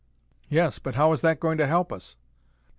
"Yes, but how is that going to help us?"